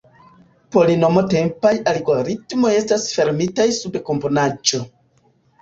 Polinomo-tempaj algoritmoj estas fermitaj sub komponaĵo.